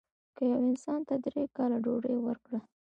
که یو انسان ته درې کاله ډوډۍ ورکړه.